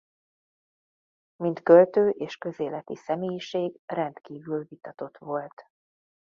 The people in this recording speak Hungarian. Mint költő és közéleti személyiség rendkívül vitatott volt.